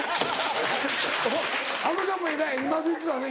あのちゃんもえらいうなずいてたね